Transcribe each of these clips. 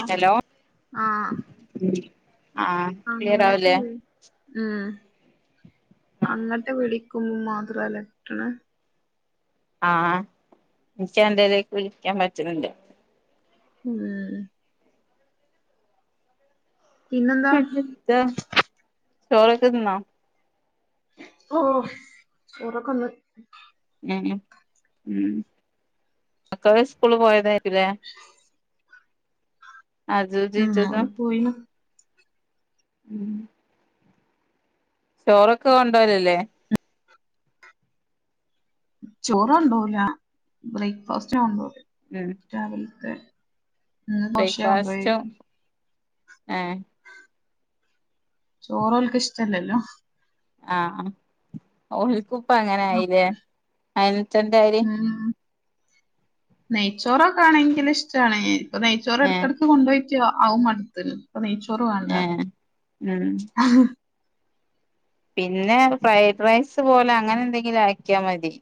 അ. Hello ആഹ അ ആഹ് ക്ലിയർ അങ്ങട്ട് ആവില്ലേ വിളി ആ. ആഹ് അങ്ങട്ട് വിളിക്കു മാത്രാലേ കിട്ട്ണ്. ആ. ഇൻച്ച് അന്റേലേക്ക് വിളിക്കാൻ പറ്റ്ണ്‌ണ്ട്. [unintelligible] പിന്നെന്താ പിന്നെ..... ന്താ? ചോറൊക്കെ തിന്നോ? ഓ. ചോറക്കന്ന്. ഉം. ഉം. മക്കള് സ്കൂള് പോയതായിരിക്കുല്ലേ? അജു ഉം ജീജജ ഓല് പോയിണ്. [unintelligible] ചോറൊക്കെ കൊണ്ടോലല്ലേ? ചോറ് ണ്ടോവൂല. ബ്രൈക്ക്ഫാസ്റ്റ കൊണ്ടോവല്. [unintelligible] രാവിൽത്തെ ഇന്ന് ദോശേ കൊണ്ടോയെ. ഏ ചോറോൽക്ക് ഇഷ്ടല്ലല്ലോ. ആ. ഓൽക്കുപ്പങ്ങനായി ലേ. അ [unintelligible] ന്റാരി. നെയ്ച്ചോറോക്ക ആണെങ്കില് ഇഷ്ടായി. ഇപ്പൊ നെയ്ച്ചോറ ഏഹ് ടക്കിടക്ക് കൊണ്ടോയി [unintelligible] അഉം മട്ത്ത്ണ്. ഇപ്പൊ നെയ്ച്ചോറ് വാണ്ട. [inaudible] ഏഹ് ഉം പിന്നെ ഫ്രൈഡ് റൈസ് പോലെ അങ്ങനെ എന്തെങ്കിലും ആക്കിയാ മതി.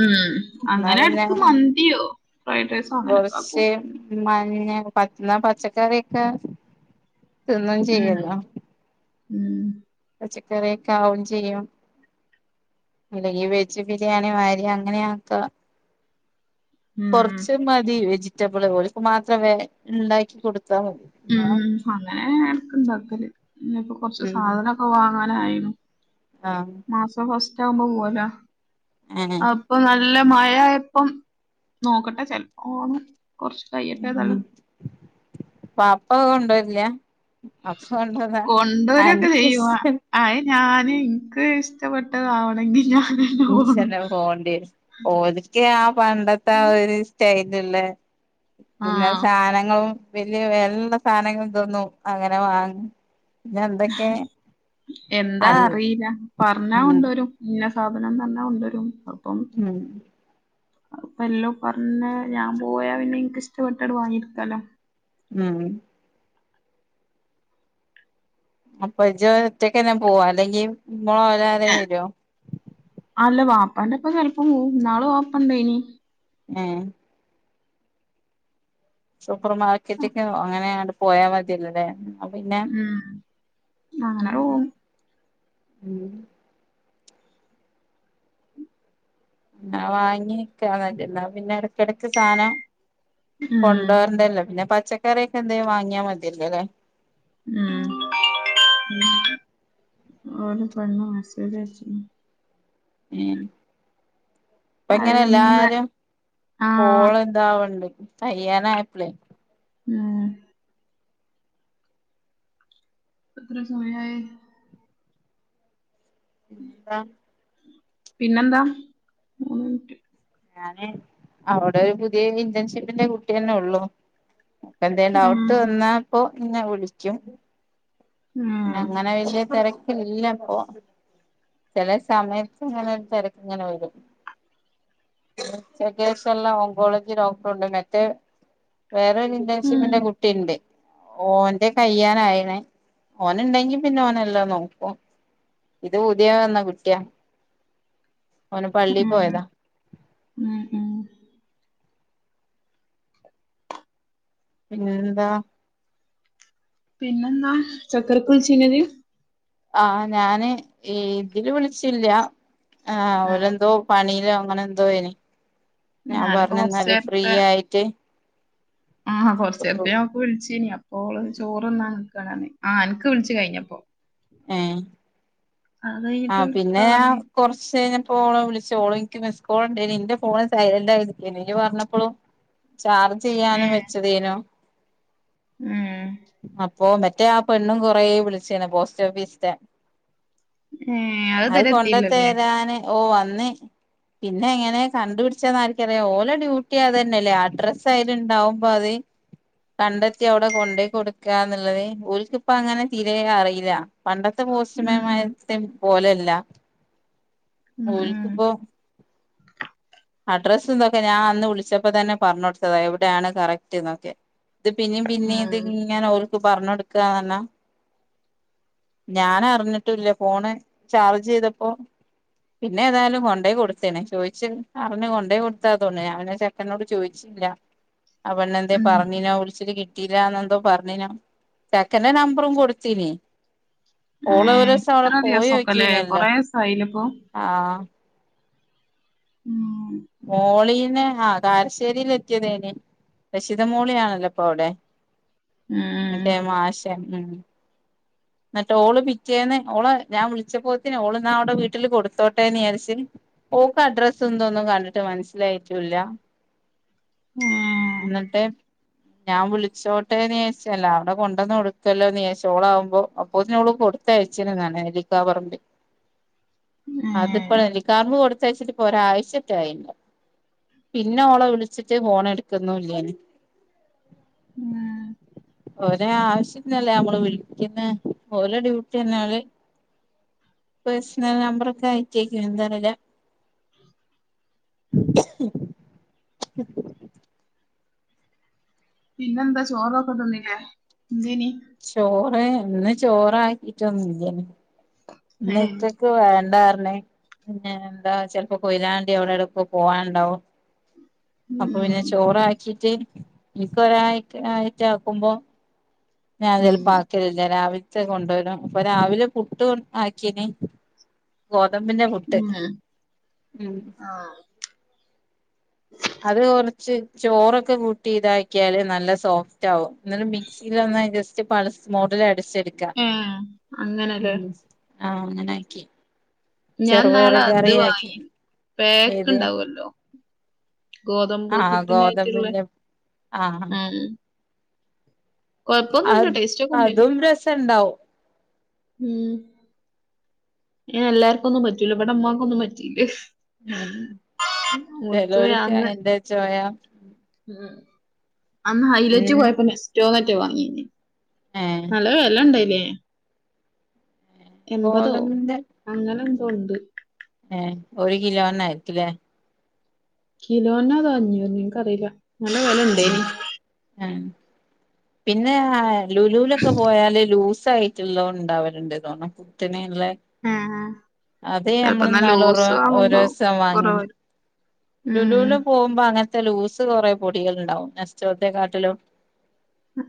ഉം. എന്നാ അങ്ങനെ എടക്ക് പിന്നെ മന്തിയോ ഫ്രൈഡ് റൈസോ അങ്ങനൊക്കെ കുറച്ച് ആക്കും. മഞ്ഞ [unintelligible] ന്നാ പച്ചക്കറി ഒക്കെ തിന്നും ഉം ചെയ്യല്ലോ. ഉം. പച്ചക്കറിയൊക്കെ ആവും ചെയ്യും. അല്ലെങ്കി വെജ് ബിരിയാണി മാരി അങ്ങനെയാക്ക. കൊറ ഉം ച്ച് മതി. വെജിറ്റബിള് ഓൽക്ക് മാത്രം വേ ണ്ടാക്കി കൊടുത്താ മതി. ന്നാ ഉം. അങ്ങനേ.. എടക്ക്ണ്ടാക്കല്. ഇഞ്ഞിപ്പം കൊറച്ച് ഉം സാധനൊക്കെ വാങ്ങാനായിനു. ആഹ്. മാസം ഫസ്റ്റ് ആകുമ്പോ പോവല? ഏഹ് ആഹ്. പ്പൊ നല്ല മഴായപ്പം നോക്കട്ടെ ചെലപ്പോ പോവും. കൊറച്ച് കയിയട്ടെതാലും. പാപ്പ കൊണ്ടരില്ല? അപ്പൊ കൊണ്ടര്ണാ അനകിഷ്ടം. അഹ് ഞാന് ഇൻക്ക് ഇഷ്ടപ്പെട്ടതാവണെങ്കി ഞാ ഉച്ചെന്നെ പോകണ്ടിയരും. ഒൽക്ക് ആ പണ്ടത്തെ ആ ഒരു സ്റ്റൈലുള്ള പിന്നെ ആഹ് സാന ങ്ങളും വലിയ [unintelligible] സാധനങ്ങളും തോന്നും അങ്ങനെ വാങ്ങ പിന്നെ എന്തൊക്കെ എന്താ അൽ അറിയില്ല പറഞ്ഞാ ഉം കൊണ്ടോരും ഇന്ന സാധനംന്ന് പറഞ്ഞ കൊണ്ടരും അപ്പം ഉം അപ്പ എല്ലോ പറഞ്ഞ ഞാൻ പോയാ പിന്നെ എനിക്ക് ഇഷ്ടപ്പെട്ടത് വാങ്ങിയിട്ക്കാല്ല ഉം അപ്പൊ ജ് ഒറ്റക്ക് അന്നെ പോവാ അല്ലെങ്കി മൊളോ അവരാരേലും ഏ വരുവോ അല്ല വാപ്പാന്റെപ്പം ചെലപ്പ പോകും ഇനാള് വാപ്പേണ്ടാനി ഏഹ് സൂപ്പർ മാർക്കറ്റക്കോ അങ്ങനെ അങ്ങ്ട്ട് പോയാൽ മതിയല്ലോലെ അത് പിന്നെ ഉം അങ്ങനെ ഉം പോവും ഉം ആഹ് വാങ്ങിവെക്ക [unintelligible] ന്ന പിന്നെ ഇടക്കിടക്ക് സാധനം ഉം കൊണ്ടോരണ്ടല്ലോ പിന്നെ പച്ചക്കറിന്റെ എന്തേ വാങ്ങിയാ മതില്ലോ അല്ലേ ഉം ഒര് പെണ്ണ് മെസേജ് അയച്ച് ഉം ഇപ്പ ഇങ്ങനെ അത് ഇമ്മ എല്ലാരും ആഹ് കോള് ന്താവണ്ട് കഴിയാനായപ്പളെ ഉം ഇപ്പ എത്ര സമയായി എന്താ പിന്നെന്താ മൂന്ന് മിനിറ്റ് ഞാന് അവിടെ ഒരു പുതിയ ഇന്റേൺഷിപ്പിന്റെ കുട്ടിയന്നെള്ളു അപ്പ എന്തേം ഡൗട്ട് ആഹ് വന്നാപ്പോ നിന്നെ വിളിക്കും പിന്നെ ആഹ് അങ്ങനെ വല്യ തെരക് ക്കില്ലപ്പൊ ചെലെ സമയത്ത്ങ്ങനെ ഒരു തെരക്ക്ങ്ങനെ വരും ഉച്ചക്കേഷം എല്ലാം ഓങ്കോളജി ഡോക്ടറുണ്ട് മറ്റേ വേറൊരു ഉം ഇന്റേൺഷിപ്പിന്റെ കുട്ടിണ്ട് ഓന്റെ കയ്യാനായിണെ ഓന് ഇണ്ടെങ്കി പിന്നെ ഓനെല്ലാം നോക്കും ഇത് പുതിയ വന്ന കുട്ട്യാ ഉം പോയതാ ഉം ഉം പിന്നെന്താ പിന്നെന്താ ചക്കരക്കുവിളിച്ചീന്യോ ജ്ജ് ആഹ് ഞാന് ഇതില് വിളിച്ചില്ല ആ ഏഹ് അവരെന്തോ പണിലോ അങ്ങനെ എന്തോ ഇനി ഞാൻ ഞാനിപ്പോ പറഞ്ഞ് എന്നാല് ഫ്രീ കൊറച്ചേരത്തെ ആയിറ്റ് ആഹ് കൊറച്ചേരത്തെ ഓക്ക് വിളിച്ചീനി അപ്പോ ഓള് ചോറ് തിന്നാനിക്കാണ് പറഞ്ഞ് ആ അനക്ക് വിളിച്ച് കഴിഞ്ഞപ്പോ ഏഹ് അത് ആ കഴിഞ്ഞിട്ട് പിന്നെ വിളിക്കാ ഞാ പറഞ്ഞ് കൊറച്ച് കഴിഞ്ഞപ്പോ ഓള വിളിച്ച് ഓള് എനിക്ക് മിസ് കോൾ ഉണ്ടെനി എന്റെ ഫോണ് സൈലന്റ് ആയിരിക്കെനീ ജ്ജ് പറഞ്ഞപ്പളും ചാർജെയ്യാനും വെച്ചതേനു ഉം അപ്പൊ മറ്റേ ആഹ് പെണ്ണും കൊറേ വിളിച്ചേന് പോസ്റ്റ് ഓഫീസിത്തെ ഏ അത് കൊണ്ട് തരാന് ഓഹ് വന്ന് പിന്നെ എങ്ങനെ കണ്ടുപിടിച്ചേന്ന് ആരിക്കറിയാം ഓല ഡ്യൂട്ടി അത് തന്നെല്ലേ അഡ്രസ്സ് അയ്ലുണ്ടാവും പതി കണ്ടെത്തി അവിടെ കൊണ്ടോയ് കൊടുക്കാന്നുള്ളത് ഓൽക്കിപ്പങ്ങനെ തിരെ അറിയില്ല പണ്ടത്തെ പോസ്റ്റ്‌മാൻ ഉം മാരത്തെ പോലല്ല ഉം ഉം ഓല്ക്കിപ്പോ അഡ്രസ്സും ഇതൊക്കെ ഞാൻ അന്ന് വിളിച്ചപ്പോ തന്നെ പറഞ്ഞ് കൊടുത്തതാ എവിടെയാണ് കറക്റ്റ് എന്നൊക്കെ ഇത് പിന്നേം പിന്നേം ഇത് ഉം ഇങ്ങന ഓൽക്ക് പറഞ്ഞ് കൊടുക്കാന്ന് പറഞ്ഞാ ഞാൻ അറിഞ്ഞിട്ടൂല്ല ഫോണ് ചാർജ് ചെയ്തപ്പോ പിന്നെ ഏതായും കൊണ്ടേ കൊടുത്തെനെ ചോയ്ച്ച് പറഞ് കൊണ്ടേ കൊടുത്താതോന്നു ഞാനാ ചെറ്ക്കനോട് ചോയ്ച്ച് ഇല്ല അവൻ എന്തേ ഉം പറഞ്ഞിനോ വിളിച്ചിട്ട് കിട് കിട്ടീലാന്നെന്തോ പറഞ്ഞേന തെക്കന്റെ നമ്പറും കൊടുത്തീനി ഓള് ഏഹ് ഒരൂസവട ഇത്ര പോയി ദിവസൊക്കെല്ലേ നോക്കീനല്ലോ കൊറേ ദിവസായില്ലേ ഇപ്പൊ ആഹ് ഉം മോളീനെ ആഹ് കാരശ്ശേരീലെത്തിയതേനി രശിത മോളിയാണല്ല ഇപ്പൊവടെ ഉം മറ്റേ മാഷെ ഉം എന്നട്ട് ഓള് പിറ്റേന്ന് ഓള ഞാൻ വിളിച്ചപ്പോത്തിന് ഓള് ന്നാ അവടെ വീട്ടില് കൊടുത്തോട്ടേന്നിയാരിച്ച് ഓക്കഡ്രസ്സും ന്തൊന്നും കണ്ടട്ട് മനസ്സിലായിട്ടൂല്ല ഏഹ് ന്നട്ട് ഞാൻ വിളിച്ചോട്ടേന്നിയാച്ചല്ല അവടെ കൊണ്ടന്ന് കൊടുക്കല്ലോന്നിയാച്ചോളാവുമ്പോ അപ്പോത്തിനോള് കൊടുത്തയച്ചിനന്നറഞ്ഞ് ഹെലികോപ്പറിന്റെ അതിപ്പ ഏഹ് നെല്ലിക്കാമ്പ് കൊടുത്തയച്ചിട്ടിപ്പൊ ഒരാഴ്ച ചായിപ്പൊ പിന്ന ഓള വിളിച്ചിട്ട് ഫോണെടുക്കുന്നൂല്ല്യാന് ഉം ഒരേ ആവശ്യത്തിനല്ലേ നമ്മള് വിളിക്കുന്നെ ഓല ഡ്യൂട്ടിയഞ്ഞാല് പേഴ്സണൽ നമ്പറൊക്കെ അയച്ചേക്ക് എന്താ അറീല്ല [unintelligible] പിന്നെന്താ ചോറോക്ക തിന്നില്ലേ എന്തേനീ ചോറ് ഇന്ന് ചോറാക്കീട്ടൊന്നുല്ല്യേനി ഏഹ് ഇന്നിക്കക്ക് വേണ്ടാറ്ഞ്ഞ് പിന്നെ എന്താ ചെൽപ്പോ കൊയിലാണ്ടി അവിടെ എവിടേക്കോ പോവാന്ണ്ടാവും അപ്പൊ പിന്നെ ഉം ചോറാക്കീറ്റ് ഇന്ക്ക് ഒരായിക്ക് ആയിറ്റ് ആക്കുമ്പോ ഞാൻ ഉം ചെൽപ്പോ ആക്കലില്ല രാവിൽത്തെ കൊണ്ടോരും അപ്പൊ രാവിലെ പുട്ട് കൊൺ ആക്കീനി ഗോതമ്പിന്റെ പുട്ട് ഉം ഉം ആഹ് അത് കൊറച്ച് ചോറൊക്കെ കൂട്ടി ഇതാക്കിയാല് നല്ല സോഫ്റ്റാവും എന്നല് മിക്സി സീലൊന്ന് ജസ്റ്റ് പൾസ് മോഡിലടിച്ചെടു ഏഹ് അങ്ങനെല്ലേ ഉം ആഹ് അങ്ങനാക്കി ഞാൻ ചെറുപയറ് ഇന്നാളത് കറിയാക്കി വാങ്ങി പാക്ക് ഏത് ഇണ്ടാവു അല്ലോ ഗോതമ്പ് ആഹ് പുട്ടിനായിട്ടുള്ള ഗോതമ്പിന്റെ ആഹ് അത് ടേസ്റ്റ് ഒക്കെ ഉണ്ടേന് അതും രസണ്ടാവും ഉം എല്ലാര്ക്കൊന്നും പറ്റൂല ഇവടെ ഉമ്മാക്കൊന്നും പറ്റീല ഏഹ് ചെലോല്ക്ക് അന്ന് അയിന്റെ ചൊയാ ഉം അന്ന് ഹൈലൈറ്റ് ഉം പോയപ്പോ നെസ്റ്റോന്നാറ്റെ വാങ്ങീനി ഏഹ് നല്ല വെല ഇണ്ടയിനേ എമ്പതോ ഗോതമ്പിന്റെ അങ്ങനെന്തോ ഉണ്ട് ഏഹ് ഒരു കിലോനായിരിക്കുലേ കിലോനോ അതോ അഞ്ഞൂറിനെനിക്ക് അറിയില്ല നല്ല വെല ഇണ്ടേനി ഏഹ് പിന്നെ ആ ലുലൂലൊക്കെ പോയാല് ലൂസായി റ്റ്ള്ളോ ഇണ്ടാവല്ണ്ട് തോണും പുട്ടിന് ഇള്ളെ ആ, അത് ചെലപ്പോ നല്ല ഞമ്മളിന്നാളൊറോ ലൂസ് വാങ്ങുമ്പോ ഒരൂസം വാങ്ങിനി കുറവായിരിക്കും ലുലൂല് ഉം പോവുമ്പോ അങ്ങനത്തെ ലൂസ് കൊറേ പൊടികള്ണ്ടാവും നെസ്റ്റോത്തെക്കാട്ടിലും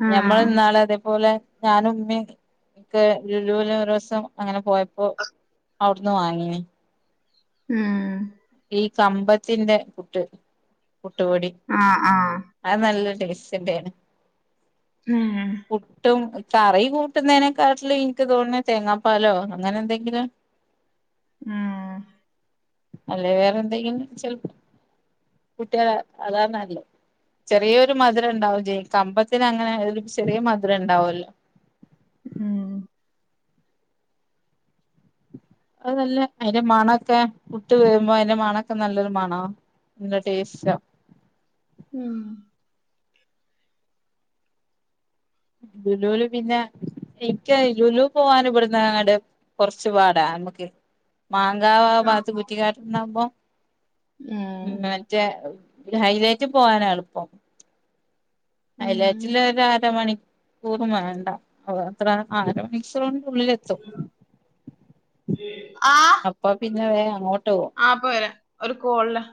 ആ ഞമ്മളിന്നാള് അതേപോലെ ഞാനും ഉമ്മിം ക്ക് ലുലൂലൊരൂസം അങ്ങനെ പോയപ്പോ അവിടന്ന് വാങ്ങീന് ഉം ഈ കമ്പത്തിന്റെ പുട്ട് പുട്ട്പൊടി ആഹ് ആഹ് അഅ് നല്ല ടേസ്റ്റൻ്റേണ് ആഹ് പുട്ടും കറി കൂട്ടുന്നേനെക്കാട്ടില് ഇനിക്ക് തോന്ന്ണേ തേങ്ങാപ്പാലോ അങ്ങനെന്തെങ്കിലും ഉം അല്ലെ വേറെ എന്തെങ്കിലും ചെ കുട്ടികള അതാന്നല്ലേ ചെറിയൊരു മധുരംണ്ടാവും ചെയ്യും കമ്പത്തിന അങ്ങനെ ഒരു ചെറിയ മധുരം ഉണ്ടാവുമല്ലോ ഉം അതല്ല അതിന്റെ മണൊക്കെ പുട്ട് വേവുമ്പോ അതിന്റെ മണൊക്കെ നല്ലൊരു മണോ ഇന്ത ടേസ്റ്റ് ഉം ലുലുലു പിന്നെ ഇക്ക ലുലു പോവൻ ഇവിടന്ന് എങ്ങട് കുറച്ചു പാടാ അൺമുക്ക് മാങ്കാവ ആ ഭാഗത്ത് കുറ്റിക്കാ ഉം [unintelligible] റ്റ ഹൈലൈറ്റ് പോവാന എളുപ്പം ഉം അയലാച്ചില് ഒ അര മണിക്ക കൂറും വേണ്ട അ അത്ര ആര മണിക്കൂർണ്ട് ഉള്ളിലെത്തും ആ അപ്പാ പിന്നെ വേ അങ്ങോട്ട് പോ പോരാ ഒരു കോളിലാ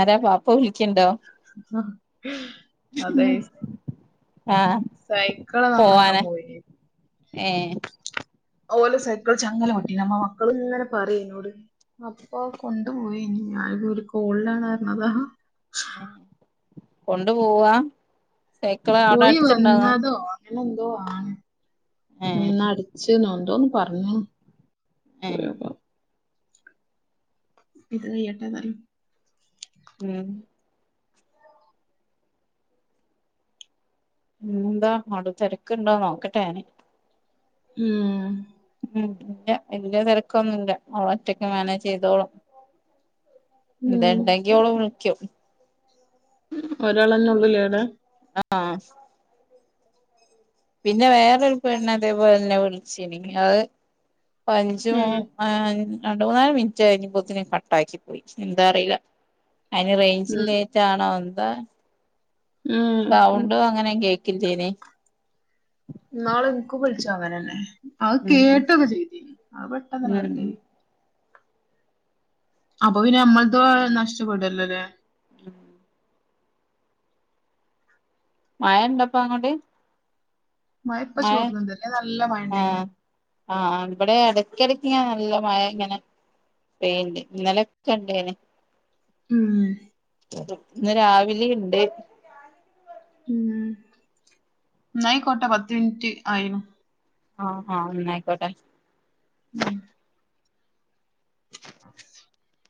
ആരാ പാപ്പ വിളിക്കണ്ടോ അതെ ആഹ് സൈക്കിള് നന്നാക്കാൻ പോവാന് പോയി ഏഹ് ഓലോ സൈക്കിൾ ചങ്ങല പൊട്ടിന് മക്കളിങ്ങനെ പറയ എന്നോട് അപ്പൊ കൊണ്ടു പോയിനി ഞാൻ ഒരു കോളിലാണ് പറഞ്ഞതാ കൊണ്ടു പോവാ സൈക്കിള് അവിടെ പോയി അടുത്തുണ്ടോന്ന് വന്നതോ അങ്ങനെ എന്തോ ആണ് ഏഹ് നിന്ന അടച്ച്ന്നോ എന്തോ പറഞ്ഞിന് ഉം ഇത് എട്ടതാണ് ഉം പിന്നെന്താ അവിടെ തിരക്ക്ണ്ടോ നോക്കട്ടെ ഞാന് ഉം ഉം ഇല്ല വല്ല്യ തിരക്കൊന്നുല്ല ഓള് ഒറ്റക്ക് മാനേജ് ചെയ്തോളും ഉം എന്തെണ്ടെങ്കി ഓള് വിളിക്കും ഒരാളെന്നെ ഉള്ളുലേടേ അ ആഹ് പിന്നെ വേറൊരു പെണ്ണ് അതേപോലെന്നെ വിളിച്ച്ന് അത് പഞ്ചു ഉം ആഹ് രണ്ട് മൂന്നാല് മിനിറ്റ് കഴിഞ്ഞപത്തിന് കട്ടാക്കി പോയി എന്താ അറിയില്ല അയിന് റേഞ്ചില്ലായിറ്റാണോ എന്താ ഉം ഉം സൗണ്ടോ അങ്ങനെ കേക്കില്ലേനേ ന്നാള് നിക്കും വിളിച്ചങ്ങനന്നെ അത് ഉം കേട്ട പതി അത് പെട്ടെന്നന്നെ ഉം കട്ടാക്കി അപ്പൊ പിന്നെ നമ്മൾത് നഷ്ടപ്പെടല്ലോല്ലേ ഉം മയ ഇണ്ടപ്പ അങ്ങട് മയ ഇപ്പോ ചോർന്നുണ്ട് അല്ലേ നല്ല മഴണ്ടന് ആഹ് ആഹ് ഇവിടെ ഇടക്കിടക്ക് ഇങ്ങെ നല്ല മഴ ഇങ്ങനെ പെയ്യുണ്ട് ഇന്നലൊക്കെ ഇണ്ടേന് ഉം ഇന്ന് രാവിലെയ്ണ്ട് ഉം ന്നായിക്കോട്ടെ പത്ത് മിനിറ്റ് ആയിനു ആഹ് ഹ ന്നായിക്കോട്ടെ ഉം [unintelligible]